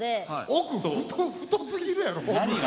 奥太すぎるやろ。